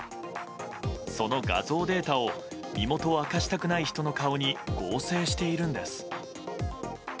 その画像データを身元を明かしたくない人の顔に合成しているんです。